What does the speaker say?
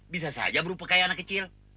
bisa saja berupa kayak anak kecil